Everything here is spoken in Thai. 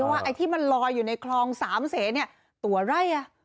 ว่าที่มันลอยอยู่ในคลองสามเสนียตัวไร